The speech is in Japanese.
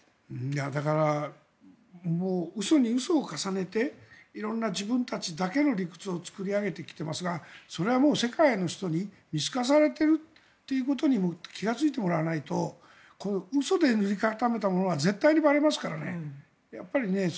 だからもう嘘に嘘を重ねて自分たちの理屈を作り上げてきてますがそれは世界の人に見透かされていることに気がついてもらわないと嘘で塗り固めたものは絶対にばれますからね。